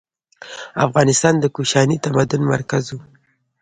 افغانستان د کوشاني تمدن مرکز و.